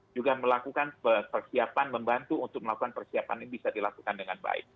juga melakukan persiapan membantu untuk melakukan persiapan ini bisa dilakukan dengan baik